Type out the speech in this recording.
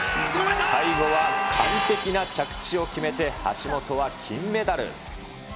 最後は完璧な着地を決めて、橋本は金メダル。